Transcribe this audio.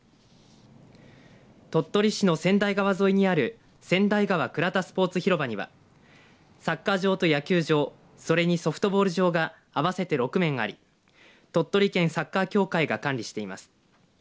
鳥取市の千代川沿いにある千代川倉田スポーツ広場にはサッカー場という野球場それにソフトボール場が合わせて６面あり、鳥取県サッカー協会が管理しています。